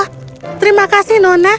oh terima kasih nona